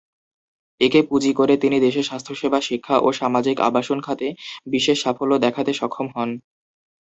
একে পুঁজি করে তিনি দেশে স্বাস্থ্যসেবা, শিক্ষা ও সামাজিক আবাসন খাতে বিশেষ সাফল্য দেখাতে সক্ষম হন।